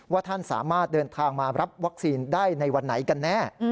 ท่านสามารถเดินทางมารับวัคซีนได้ในวันไหนกันแน่